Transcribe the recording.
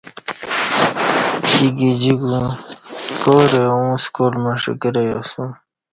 ایکی گجیکو کارہ اوں سکال مݜہ کرہ ییسوم